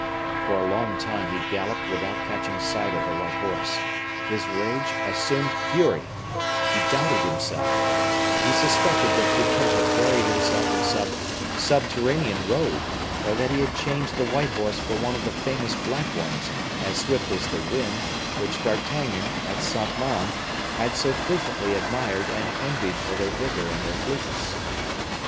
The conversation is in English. For a long time he galloped without catching sight of the white horse. His rage assumed fury, he doubted himself, he suspected that Fouquet had buried himself in some subterranean road, or that he had changed the white horse for one of those famous black ones, as swift as the wind, which D'Artagnan, at Saint Mande, had so frequently admired and envied for their vigor and their fleetness.